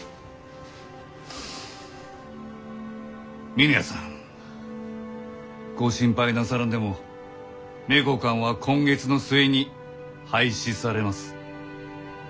峰屋さんご心配なさらんでも名教館は今月の末に廃止されます。